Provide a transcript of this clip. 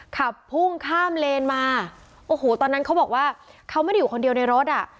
ขับพุ่งข้ามเลนมาโอ้โหตอนนั้นเขาบอกว่าเขาไม่ได้อยู่คนเดียวในรถอ่ะ